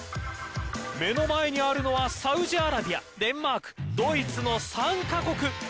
目の前にあるのはサウジアラビアデンマーク、ドイツの３カ国。